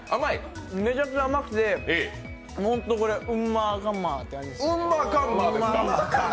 めちゃくちゃ甘くてほんとこれうんまーカンマーって感じです。